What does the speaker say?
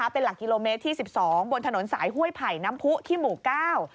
เป็นหลักกิโลเมตรที่สิบสองบนถนนสายห้วยไผ่น้ำผู้ที่หมู่เก้า